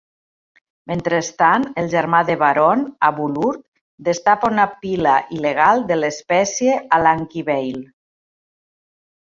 Mentrestant, el germà de Baron, Abulurd, destapa una pila il·legal de l'"espècie" a Lankiveil.